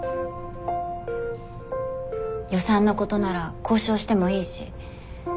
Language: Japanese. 予算のことなら交渉してもいいし。